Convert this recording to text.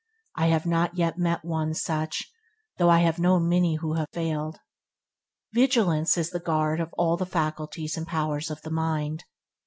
I have not yet met one such, though I have known many who have failed. Vigilance is the guard of all the faculties and powers of the mind.